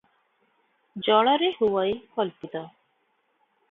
ଜଳରେ ହୁଅଇ କଳ୍ପିତ ।